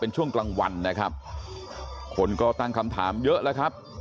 ช่วงกลางวันนะครับคนก็ตั้งคำถามเยอะแล้วครับ